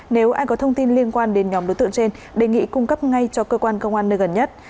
nếu ai có thông tin liên quan đến nhóm đối tượng trên đề nghị cung cấp ngay cho cơ quan công an nơi gần nhất